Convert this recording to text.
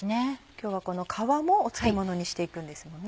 今日はこの皮も漬物にしていくんですもんね。